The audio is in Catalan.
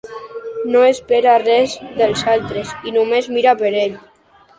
No espera res dels altres i només mira per ell.